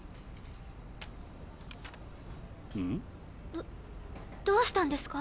どどうしたんですか？